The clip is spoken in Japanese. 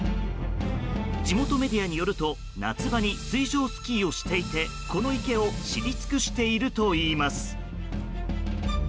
地元メディアによると夏場に水上スキーをしていてこの池を知り尽くしているといいます。